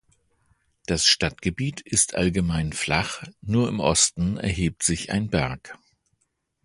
Das Stadtgebiet ist allgemein flach, nur im Osten erhebt sich ein Berg.